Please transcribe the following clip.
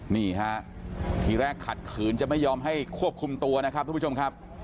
นี่ฮะทีแรกขัดขืนจะไม่ยอมให้ควบคุมตัวนะครับทุกผู้ชมครับ